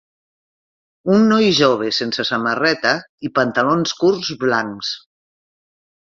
Un noi jove sense samarreta i pantalons curts blancs.